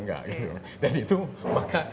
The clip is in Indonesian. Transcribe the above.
enggak gitu dan itu maka